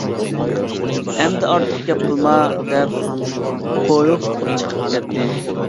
ئەمدى ئارتۇق گەپ قىلما، -دەپ قويۇپ چىقىپ كەتتى.